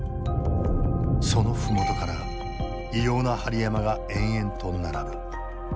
その麓から異様な針山が延々と並ぶ。